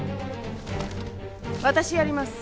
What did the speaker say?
私やります。